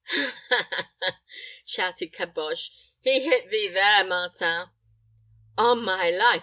"Ha, ha, ha!" shouted Caboche; "he hit thee there, Martin." "On my life!